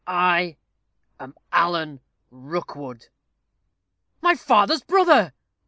I am Alan Rookwood." "My father's brother!"